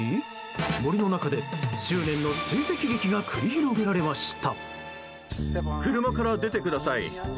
森の中で執念の追跡劇が繰り広げられました。